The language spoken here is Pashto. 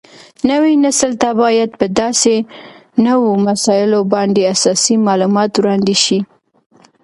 نوي نسل ته باید په داسې نوو مسایلو باندې اساسي معلومات وړاندې شي